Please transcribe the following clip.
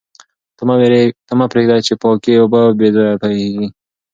ته مه پرېږده چې پاکې اوبه بې ځایه بهېږي.